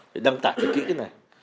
để đâm tải thật kỹ cái này